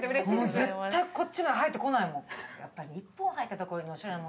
もう絶対こっちには入ってこないもん。